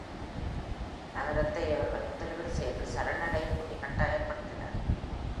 நகரத்தை அவர்கள் முதலீடு செய்து, சரணடையும்படி கட்டாயப்படுத்தினர்.